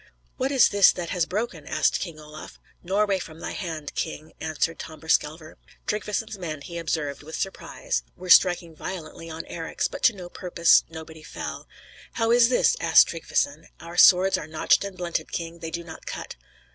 "What is this that has broken?" asked King Olaf. "Norway from thy hand, King," answered Tamberskelver. Tryggveson's men, he observed with surprise, were striking violently on Eric's; but to no purpose; nobody fell. "How is this?" asked Tryggveson. "Our swords are notched and blunted, King; they do not cut."